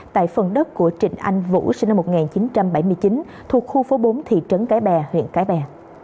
tại phần đất của trịnh anh vũ sinh năm một nghìn chín trăm bảy mươi chín thuộc khu phố bốn thị trấn cái bè huyện cái bè